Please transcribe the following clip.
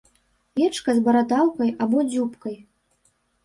Вечка з бародаўкай або дзюбкай.